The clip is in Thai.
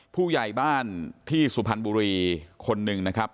ผู้ใหญ่บ้านที่สุพรรณบุรีคนหนึ่งนะครับ